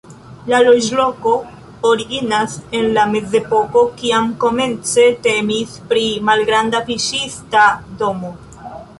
La loĝloko originas en la mezepoko, kiam komence temis pri malgranda fiŝista domo.